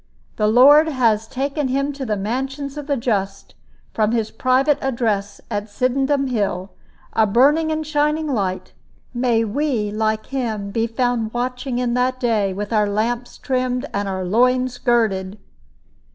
"The Lord has taken him to the mansions of the just, from his private address at Sydenham Hill. A burning and a shining light! May we like him be found watching in that day, with our lamps trimmed and our loins girded!"